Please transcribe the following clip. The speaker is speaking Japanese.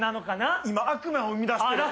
今悪魔を生みだしてる。